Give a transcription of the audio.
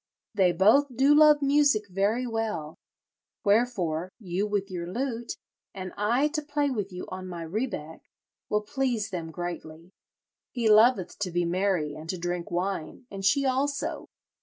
They both do love music very well; wherefore, you with your lute, and I to play with you on my rebeck, will please them greatly. He loveth to be merry and to drink wine, and she also.